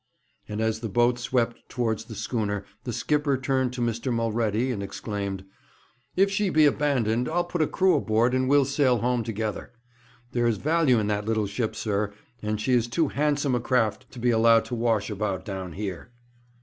And as the boat swept towards the schooner the skipper turned to Mr. Mulready and exclaimed: 'If she be abandoned, I'll put a crew aboard, and we'll sail home together. There is value in that little ship, sir, and she is too handsome a craft to be allowed to wash about down here.'